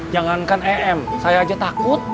jangankan em saya aja takut